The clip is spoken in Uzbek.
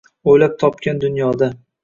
O’ylab topgan dunyoda.